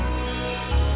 lalu mencari kakak